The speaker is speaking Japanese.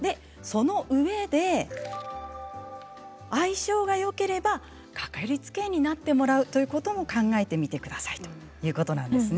そのうえで相性がよければ掛かりつけ医になってもらうということも考えてみてください